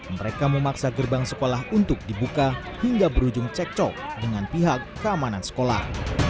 mereka memaksa gerbang sekolah untuk dibuka hingga berujung cekcok dengan pihak keamanan sekolah